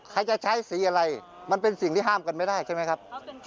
ใครจะใช้สีอะไรมันเป็นสิ่งที่ห้ามกันไม่ได้ใช่ไหมครับ